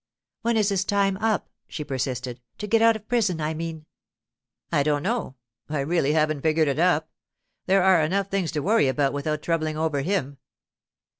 'When is his time up?' she persisted. 'To get out of prison, I mean.' 'I don't know; I really haven't figured it up. There are enough things to worry about without troubling over him.